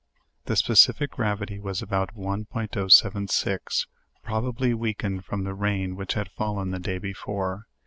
The specific gravity was about 1.076 probably weakened from the rain which had fallen the day before.